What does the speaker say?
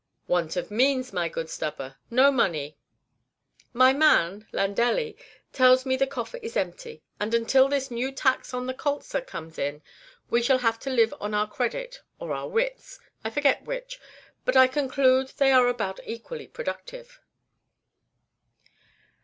"Want of means, my good Stubber; no money. My man, Landelli, tells me the coffer is empty; and until this new tax on the Colza comes in, we shall have to live on our credit or our wits, I forget which, but I conclude they are about equally productive."